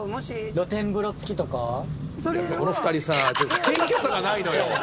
この２人さ謙虚さがないのよ。